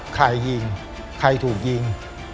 ใครยิงใครถูกยิง